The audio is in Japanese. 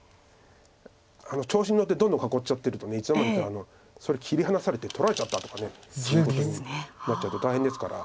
調子に乗ってどんどん囲っちゃってるといつの間にかそれ切り離されて取られちゃったとかいうことになっちゃうと大変ですから。